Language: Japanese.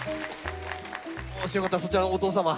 もしよかったらそちらのおとう様